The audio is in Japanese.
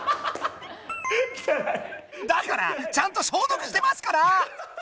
だからちゃんと消毒してますから！